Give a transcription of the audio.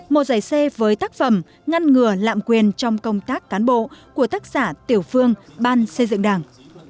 một giải c với tác phẩm ngăn ngừa lạm quyền trong công tác cán bộ của tác giả tiểu phương ban xây dựng đảng